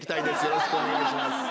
よろしくお願いします